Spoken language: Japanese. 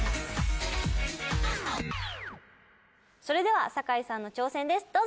それでは酒井さんの挑戦です。